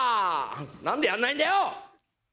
なんでやんないんだよ！